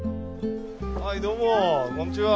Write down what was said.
はいどうもこんにちは。